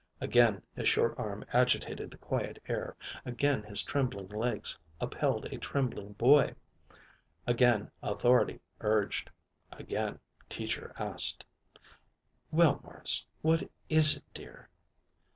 Again his short arm agitated the quiet air. Again his trembling legs upheld a trembling boy. Again authority urged. Again Teacher asked: "Well, Morris, what is it, dear?"